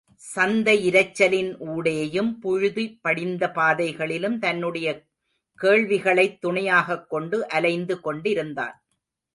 சந்தையிரைச்சலின் ஊடேயும், புழுதிபடிந்த பாதைகளிலும், தன்னுடைய கேள்விகளைத் துணையாகக் கொண்டு அலைந்து கொண்டிருந்தான்.